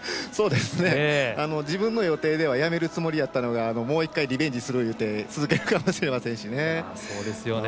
自分の予定ではやめるつもりの予定やったのがもう一回リベンジするといって続ける可能性もありますね。